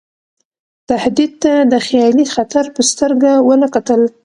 تهدید ته د خیالي خطر په سترګه ونه کتل.